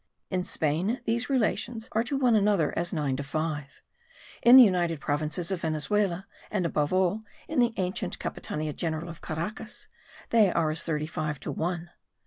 In Spain these relations are to one another as nine to five; in the United Provinces of Venezuela, and, above all, in the ancient Capitania General of Caracas, they are as thirty five to one.